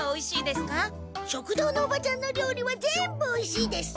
食堂のおばちゃんのりょうりは全部おいしいです。